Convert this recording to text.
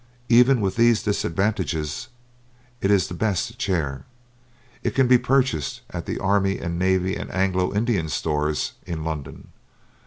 Even with these disadvantages it is the best chair. It can be purchased at the Army and Navy and Anglo Indian stores in London.